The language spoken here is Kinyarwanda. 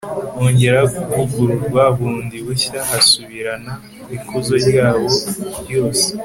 hongera kuvugururwa bundi bushya hasubirana ikuzo ryaho ryose